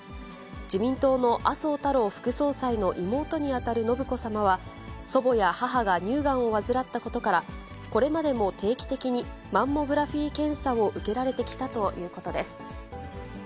自民党の麻生太郎副総裁の妹に当たる信子さまは、祖母や母が乳がんを患ったことから、これまでも定期的にマンモグラフィ検査を受けられてきたということです。